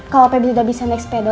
kalau pebli udah bisa naik sepeda